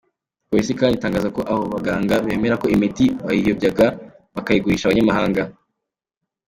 Polisi kandi itangaza ko abo baganga bemera ko imiti bayiyobyaga, bakayigurisha abanyamahanga.